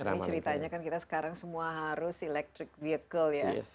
ini ceritanya kan kita sekarang semua harus electric vehicle ya